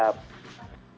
jadi memang disarankan